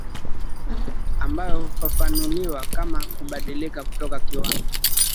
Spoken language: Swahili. ambayo hufafanuliwa kama kubadilika kutoka kiwango